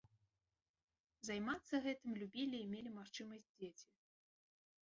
Займацца гэтым любілі і мелі магчымасць дзеці.